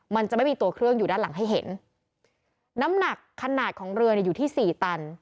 มันจะไม่มีตัวเครื่องอยู่ด้านหลังให้เห็นน้ำหนักขนาดของเรือเนี่ยอยู่ที่สี่ตัน